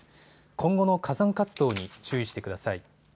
今後の火山活動に注意してください。